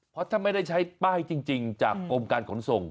เพราะถ้าไม่ได้ใช้ป้ายจริงจากกรมการขนส่ง